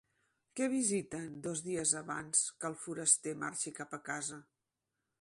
Què visiten dos dies abans que el foraster marxi cap a casa?